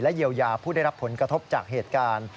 เยียวยาผู้ได้รับผลกระทบจากเหตุการณ์